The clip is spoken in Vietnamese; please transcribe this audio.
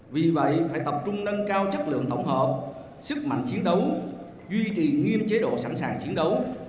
vì vậy phải tập trung nâng cao chất lượng tổng hợp sức mạnh chiến đấu duy trì nghiêm chế độ sẵn sàng chiến đấu